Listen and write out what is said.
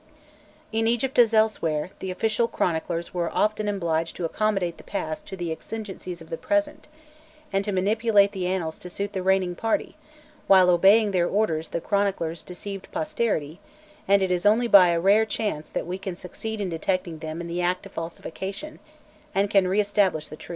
In Egypt, as elsewhere, the official chroniclers were often obliged to accommodate the past to the exigencies of the present, and to manipulate the annals to suit the reigning party; while obeying their orders the chroniclers deceived posterity, and it is only by a rare chance that we can succeed in detecting them in the act of falsification, and can re establish the truth.